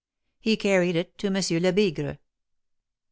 He carried it to Monsieur Lebigre.